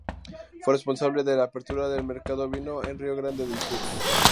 Fue responsable de la apertura del mercado ovino en Río Grande del Sur.